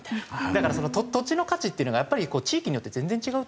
だから土地の価値っていうのが地域によって全然違うって。